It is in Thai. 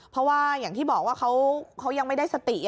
เพราะว่าอย่างที่บอกว่าเขายังไม่ได้สติ